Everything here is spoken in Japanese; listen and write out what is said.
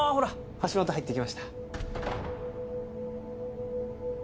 橋本入っていきました